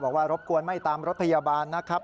รบกวนไม่ตามรถพยาบาลนะครับ